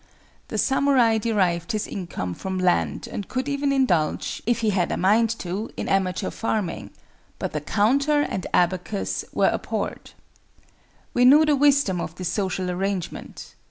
The samurai derived his income from land and could even indulge, if he had a mind to, in amateur farming; but the counter and abacus were abhorred. We knew the wisdom of this social arrangement.